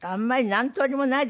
何通りもない？